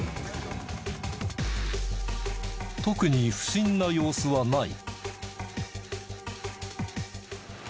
特に不審な様子はない。